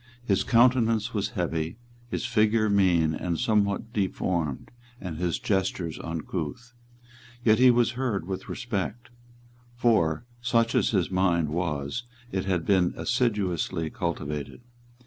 His countenance was heavy, his figure mean and somewhat deformed, and his gestures uncouth. Yet he was heard with respect. For, such as his mind was, it had been assiduously cultivated.